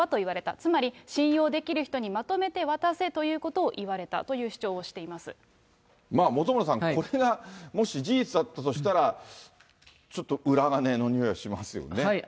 つまり、信用できる人にまとめて渡せということを言われたという主張をしまあ、本村さん、これがもし、事実だったとしたら、ちょっと裏金のにおいがしますよね。